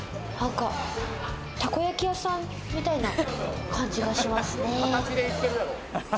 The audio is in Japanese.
たこ焼き屋さんみたいな感じがしますね。